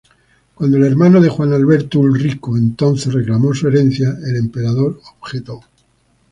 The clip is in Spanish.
Cuando el hermano de Juan Alberto Ulrico entonces reclamó su herencia, el emperador objetó.